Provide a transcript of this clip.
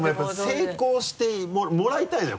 成功してもらいたいのよ